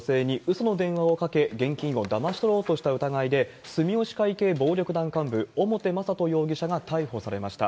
その電話をかけ現金をだまし取ろうとした疑いで住吉会系暴力団幹部、表雅人容疑者が逮捕されました。